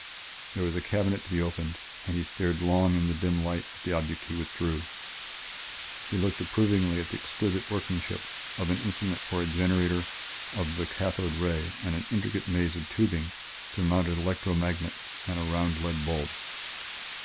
There was a cabinet to be opened, and he stared long in the dim light at the object he withdrew. He looked approvingly at the exquisite workmanship of an instrument where a generator of the cathode ray and an intricate maze of tubing surmounted electro magnets and a round lead bulb.